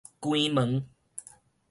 關門